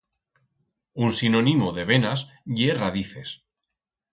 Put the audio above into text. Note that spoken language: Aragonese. Un sinonimo de venas ye radices.